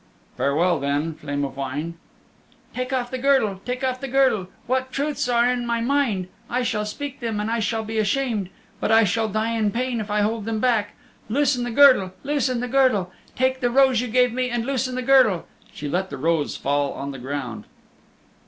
"Farewell, then, Flame of Wine." "Take off the girdle, take off the girdle! What truths are in my mind! I shall speak them and I shall be ashamed. But I shall die in pain if I hold them back. Loosen the girdle, loosen the girdle! Take the rose you gave me and loosen the girdle." She let the rose fall on the ground.